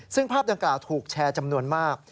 ซึ่งภาพดังกล่าวถูกแชร์จำนวนมาก